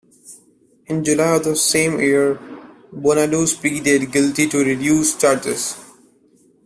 In July of the same year, Bonaduce pleaded guilty to reduced charges.